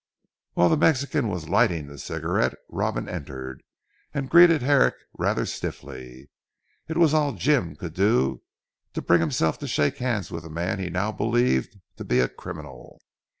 While the Mexican was lighting the cigarette Robin entered, and greeted Herrick rather stiffly. It was all Jim could do to bring himself to shake hands with the man he now believed to be a criminal.